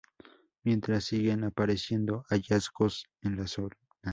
Mientras, siguen apareciendo hallazgos en la zona.